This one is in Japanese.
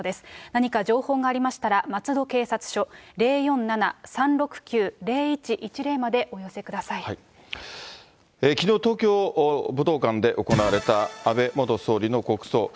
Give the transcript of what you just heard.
何か情報がありましたら、松戸警察署、０４７ー３６９ー０１１０までおきのう、東京・武道館で行われた安倍元総理の国葬。